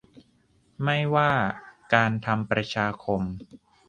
ไม่ว่าการทำประชาคม